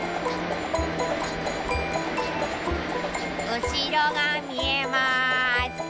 うしろがみえます。